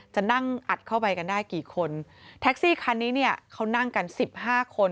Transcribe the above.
จะนั่งอัดเข้าไปกันได้กี่คนแท็กซี่คันนี้เนี่ยเขานั่งกันสิบห้าคน